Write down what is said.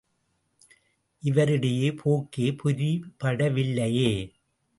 இவருடைய போக்கே புரிபடவில்லையே.